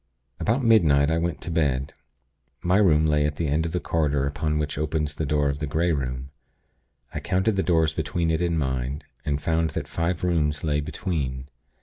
"About midnight, I went to bed. My room lay at the end of the corridor upon which opens the door of the Grey Room. I counted the doors between it and mine, and found that five rooms lay between.